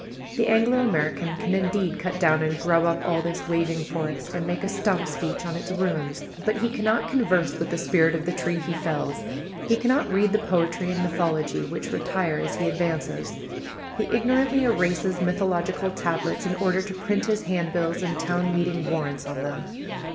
The Anglo American can indeed cut down and grub up all this waving forest, and make a stump speech on its ruins, but he cannot converse with the spirit of the tree he fells, he cannot read the poetry and mythology which retire as he advances. He ignorantly erases mythological tablets in order to print his handbills and town meeting warrants on them.